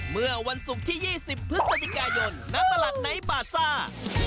เมื่อวันศุกร์ที่๒๐พฤศจิกายนณตลาดไนท์บาซ่า